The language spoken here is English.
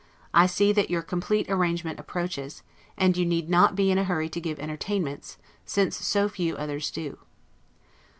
I see that your complete arrangement approaches, and you need not be in a hurry to give entertainments, since so few others do.